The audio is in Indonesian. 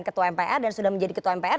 ketua mpr dan sudah menjadi ketua mpr